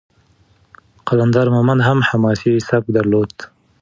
قلندر مومند هم حماسي سبک درلود.